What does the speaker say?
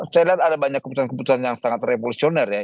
saya lihat ada banyak keputusan keputusan yang sangat revolusioner ya